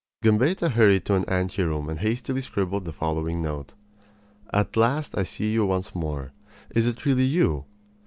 Gambetta hurried to an anteroom and hastily scribbled the following note: At last I see you once more. Is it really you?